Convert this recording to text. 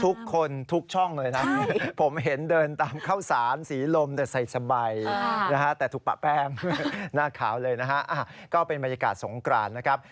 ทุกคนทุกช่องเลยนะผมเห็นเดินตามเข้าสารสีลมแต่ใส่สบายนะฮะแต่ถูกปะแป้งหน้าขาวเลยนะฮะก็เป็นบรรยากาศสงกรานนะครับ